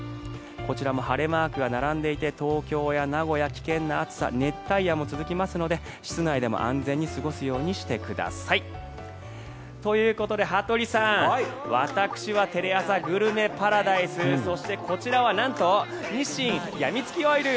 こちらも晴れマークが並んでいて東京や名古屋危険な暑さ熱帯夜も続きますので室内でも安全に過ごすようにしてください。ということで羽鳥さん、私はテレアサグルメパラダイスそして、こちらはなんと日清やみつきオイル。